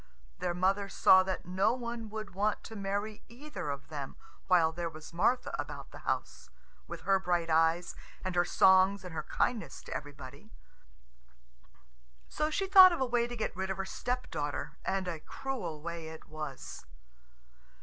Their mother saw that no one would want to marry either of them while there was Martha about the house, with her bright eyes and her songs and her kindness to everybody. So she thought of a way to get rid of her stepdaughter, and a cruel way it was.